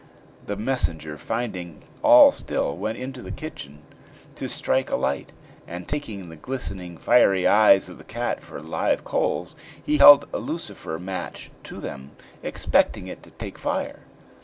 The messenger, finding all still, went into the kitchen to strike a light, and, taking the glistening, fiery eyes of the cat for live coals, he held a lucifer match to them, expecting it to take fire.